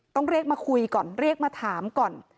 ต้องเรียกมาคุยก่อนเรียกมาถามก่อน